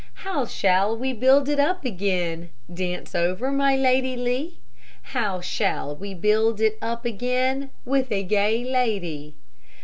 How shall we build it up again? Dance over my Lady Lee; How shall we build it up again? With a gay lady.